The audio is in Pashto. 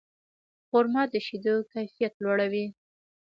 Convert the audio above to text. خرما د شیدو کیفیت لوړوي.